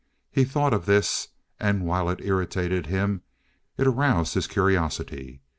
He thought of this, and, while it irritated him, it aroused his curiosity.